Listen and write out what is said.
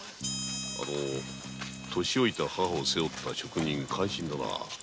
あの年老いた母を背負った職人感心だな。